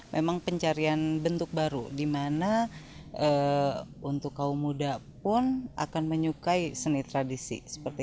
memang pencarian bentuk baru dimana untuk kaum muda pun akan menyukai seni tradisi